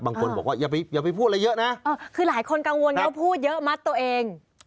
บางคนบอกว่าอย่าไปอย่าไปพูดอะไรเยอะนะคือหลายคนกังวลเยอะพูดเยอะมัดตัวเอง